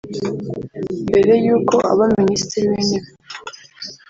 Mbere y’uko aba Minisitiri w’Intebe